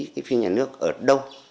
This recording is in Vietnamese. cái phim nhà nước ở đâu